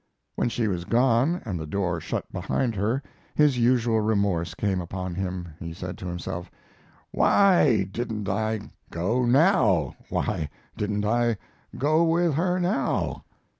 When she was gone, and the door shut behind her, his usual remorse came upon him. He said to himself: "Why didn't I go now? Why didn't I go with her now?"